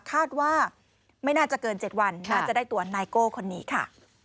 คาดว่าไม่น่าจะเกิน๗วันน่าจะได้ตัวนายโก้คนนี้ค่ะ